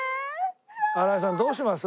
新井さんどうします？